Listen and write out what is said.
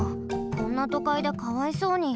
こんなとかいでかわいそうに。